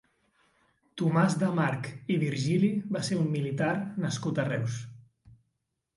Tomàs de March i Virgili va ser un militar nascut a Reus.